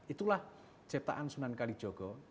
itulah ciptaan sunan kalijogo